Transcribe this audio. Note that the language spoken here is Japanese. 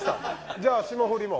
じゃあ霜降りも。